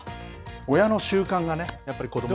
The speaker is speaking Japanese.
親の習慣がね、やっぱり子どもに。